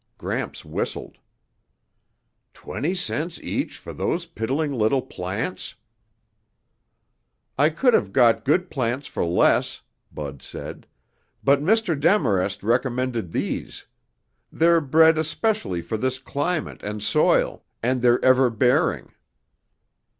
Gramps whistled. "Twenty cents each for those piddling little plants?" "I could have had good plants for less," Bud said, "but Mr. Demarest recommended these. They're bred especially for this climate and soil, and they're everbearing."